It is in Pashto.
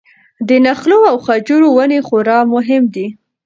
د نخلو او خجورو ونې خورا مهمې دي.